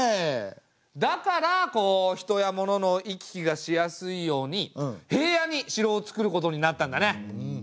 だからこう人や物の行き来がしやすいように平野に城をつくることになったんだね。